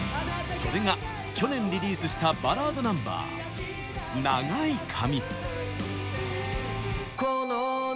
それが去年リリースしたバラードナンバー「長い髪」。